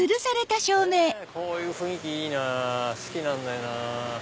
こういう雰囲気いいなぁ好きなんだよなぁ。